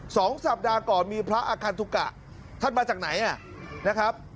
สองสัปดาห์ก่อนมีพระอาคันตุกะท่านมาจากไหนอ่ะนะครับ